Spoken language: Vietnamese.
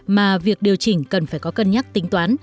mà việc điều chỉnh cần phải có cân nhắc tính toán